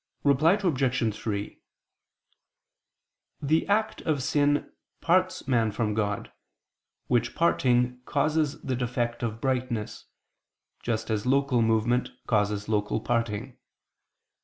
Reply Obj. 3: The act of sin parts man from God, which parting causes the defect of brightness, just as local movement causes local parting.